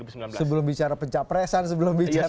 sebelum bicara pencapresan sebelum bicara